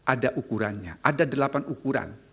ada ukurannya ada delapan ukuran